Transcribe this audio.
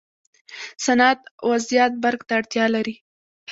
صنعت و زیات برق ته اړتیا لري.